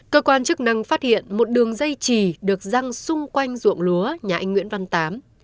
cơ quan chức năng phát hiện một đường dây chỉ được răng xung quanh ruộng lúa nhà anh nguyễn văn tám